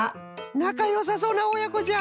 なかよさそうなおやこじゃ。